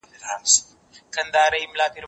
زه به سبا واښه راوړم وم!.